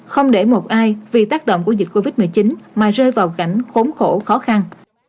không để một ai vì tác động của dịch covid một mươi chín mà rơi vào cảnh khốn khổ khó khăn